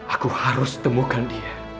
aku harus temukan dia